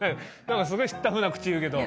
何かすごい知ったふうな口言うけど。